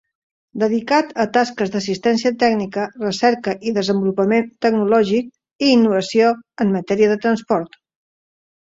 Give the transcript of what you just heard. Dedicat a tasques d'assistència tècnica, recerca i desenvolupament tecnològic i innovació en matèria de transport.